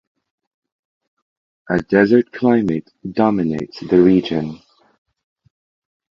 A desert climate dominates the region.